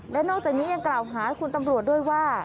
และนอกจากนี้ยังกล่าวหาคุณตำรวจด้วยว่า